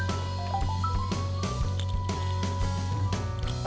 kamu mau pesen apa